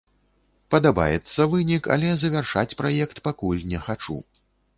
Падабаецца вынік, але завяршаць праект пакуль не хачу.